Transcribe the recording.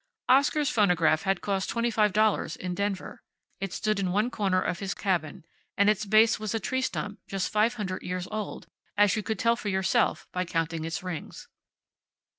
Oscar's phonograph had cost twenty five dollars in Denver. It stood in one corner of his cabin, and its base was a tree stump just five hundred years old, as you could tell for yourself by counting its rings.